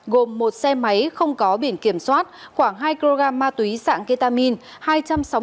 gồm một xe máy không có biển kiểm soát khoảng hai kg ma túy dạng ketamine